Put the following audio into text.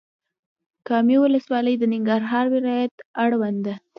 کامې ولسوالۍ د ننګرهار ولايت اړوند ده.